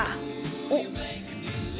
おっ？